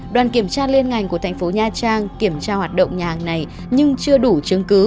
đoàn kiểm tra liên ngành của thành phố nha trang kiểm tra hoạt động nhà hàng này nhưng chưa đủ chứng cứ